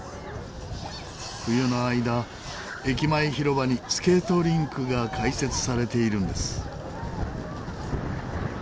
冬の間駅前広場にスケートリンクが開設されているんです。